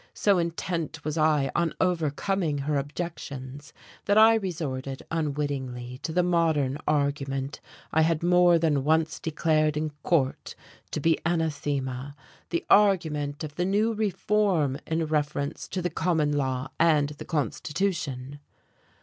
So intent was I on overcoming her objections, that I resorted unwittingly to the modern argument I had more than once declared in court to be anathema the argument of the new reform in reference to the common law and the constitution.